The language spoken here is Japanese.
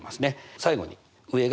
最後に上が。